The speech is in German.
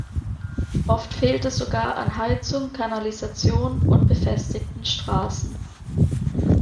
Oft fehlt es sogar an Heizung, Kanalisation und befestigten Straßen.